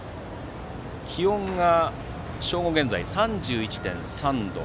気温は正午現在で３１．３度